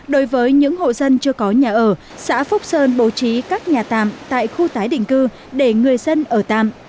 đối với những hộ dân chưa có nhà ở xã phúc sơn bố trí các nhà tạm tại khu tái định cư để người dân ở tạm